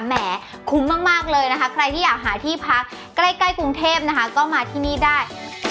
แหมคุ้มมากเลยนะคะใครที่อยากหาที่พักใกล้กรุงเทพนะคะก็มาที่นี่ได้